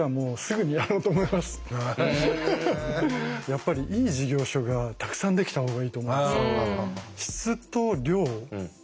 やっぱりいい事業所がたくさんできた方がいいと思うんですよ。